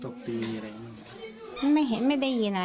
ชาวบ้านในพื้นที่บอกว่าปกติผู้ตายเขาก็อยู่กับสามีแล้วก็ลูกสองคนนะฮะ